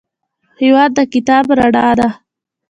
هېواد د کتاب رڼا ده.